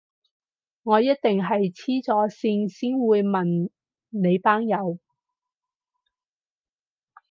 我一定係痴咗線先會問你班友